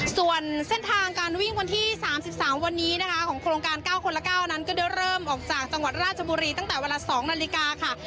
ส่วนเส้นทางการวิ่งวันที่๓๓วันนี้นะคะของโครงการ๙คนละ๙นั้นก็ได้เริ่มออกจากจังหวัดราชบุรีตั้งแต่เวลา๒นาฬิกาค่ะ